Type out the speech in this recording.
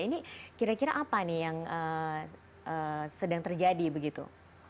ini kira kira apa nih yang sedang terjadi begitu